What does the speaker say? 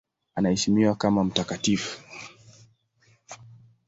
Anaheshimiwa kama mtakatifu.